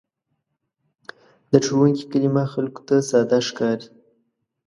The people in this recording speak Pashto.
د ښوونکي کلمه خلکو ته ساده ښکاري.